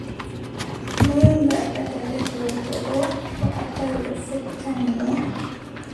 Noy ngaɗataa bee gorko ɗoo, to o tawi a fottani mo ?